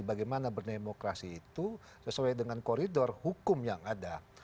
bagaimana berdemokrasi itu sesuai dengan koridor hukum yang ada